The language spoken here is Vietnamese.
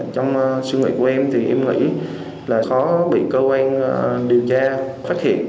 trong sự nguyện của em thì em nghĩ là khó bị cơ quan điều tra phát hiện